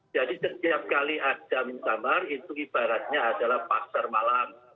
jadi setiap kali ada muktamar itu ibaratnya adalah pasar malam